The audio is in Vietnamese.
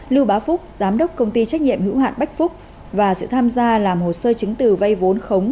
lưu bá phúc giám đốc công ty trách nhiệm hữu hạn bách phúc và sự tham gia làm hồ sơ chứng từ vay vốn khống